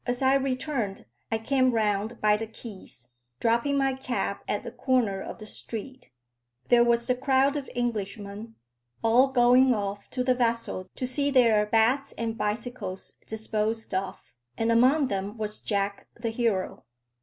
As I returned, I came round by the quays, dropping my cab at the corner of the street. There was the crowd of Englishmen, all going off to the vessel to see their bats and bicycles disposed of, and among them was Jack the hero.